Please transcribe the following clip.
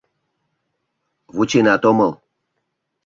Вученат омыл.